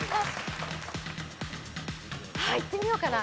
いってみようかな。